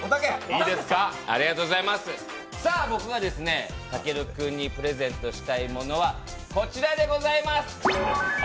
僕がたける君にプレゼントしたいものはこちらでございます。